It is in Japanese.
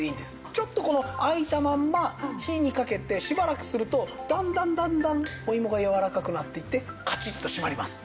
ちょっとこの開いたまんま火にかけてしばらくするとだんだんだんだんおいもがやわらかくなっていってカチッと閉まります。